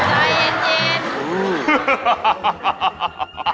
ใจเย็น